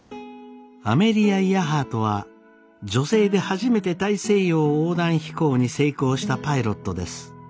アメリア・イヤハートは女性で初めて大西洋横断飛行に成功したパイロットです。